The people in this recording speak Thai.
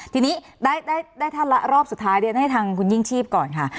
ทีนี้ได้ท่านละรอบสุดท้ายเรียนให้ทางคุณยิ่งชีพก่อนค่ะ